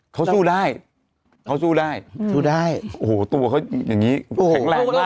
เขาสู้ได้เขาสู้ได้สู้ได้โอ้โหตัวเขาอย่างงี้แข็งแรงมาก